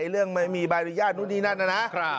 เรื่องไม่มีบริญญาณนู่นนี่นั่นนะนะ